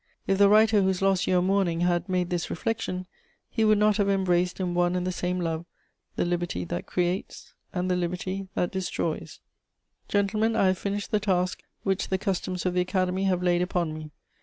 If the writer whose loss you are mourning had made this reflection, he would not have embraced in one and the same love the liberty that creates and the liberty that destroys. [Sidenote: My speech concluded.] "Gentlemen, I have finished the task which the customs of the Academy have laid upon me.